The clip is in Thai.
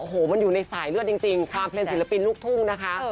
โอ้โหมันอยู่ในสายเลือดจริงความเป็นศิลปินลูกทุ่งนะคะ